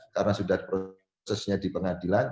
karena sudah prosesnya di pengadilan